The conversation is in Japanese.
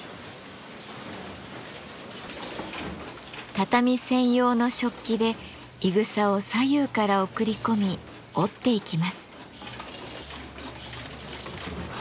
畳専用の織機でいぐさを左右から送り込み織っていきます。